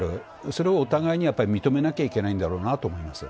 それをお互いに認めなきゃいけないんだろうな